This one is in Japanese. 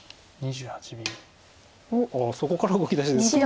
ああそこから動きだしですか。